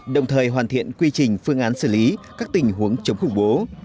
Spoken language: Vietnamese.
đồng thời hoàn thiện quy trình phương án xử lý các tình huống chống khủng bố